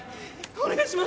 お願いします！